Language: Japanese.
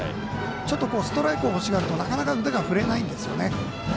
ストライクを欲しがるとなかなか腕が振れないんです。